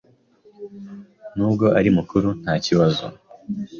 nubwo uri mukuru ntakibazo’.